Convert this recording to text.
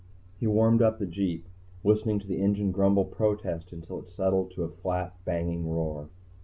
He warmed up the jeep, listening to the engine grumble protest until it settled to a flat, banging roar.